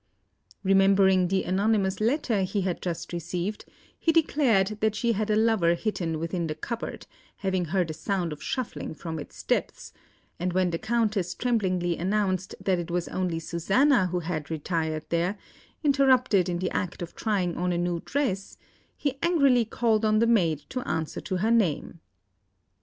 Remembering the anonymous letter he had just received, he declared that she had a lover hidden within the cupboard, having heard a sound of shuffling from its depths; and when the Countess tremblingly announced that it was only Susanna, who had retired there, interrupted in the act of trying on a new dress, he angrily called on the maid to answer to her name.